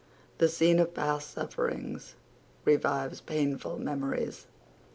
The scene of past sufferings revives painful memories.